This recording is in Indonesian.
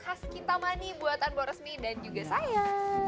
khas kintamani buatan borosmi dan juga saya